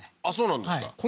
あっそうなんですか